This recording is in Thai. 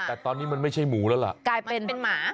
แต่ตอนนี้มันไม่ใช่หมูแล้วล่ะกลายเป็นเป็นหมา